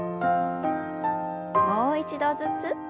もう一度ずつ。